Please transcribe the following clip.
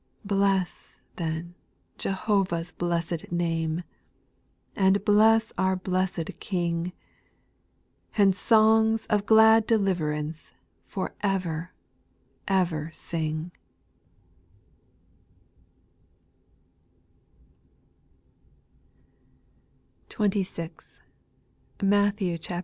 7. Bless, then, Jehovah's blessed name, And bless our blessed King ; And songs of glad dclivarauce For ever, ever sing \ n 60 SPIRITUAL SONQS.